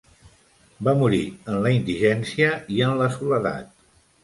Va morir en la indigència i en la soledat.